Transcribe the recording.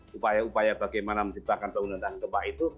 supaya upaya bagaimana menciptakan bangunan tahan gempa itu